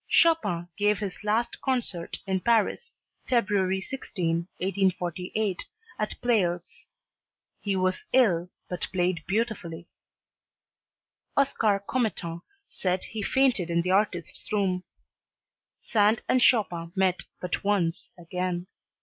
Chopin gave his last concert in Paris, February 16, 1848, at Pleyel's. He was ill but played beautifully. Oscar Commettant said he fainted in the artist's room. Sand and Chopin met but once again.